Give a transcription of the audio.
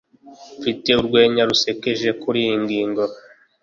mfite urwenya rusekeje kuriyi ngingo